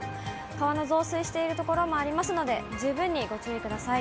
川の増水している所もありますので、十分にご注意ください。